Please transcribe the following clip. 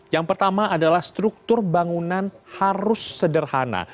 yang pertama adalah struktur bangunan harus sederhana